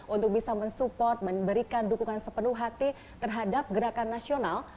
untuk bisa mensupport memberikan dukungan sepenuh hati terhadap gerakan nasional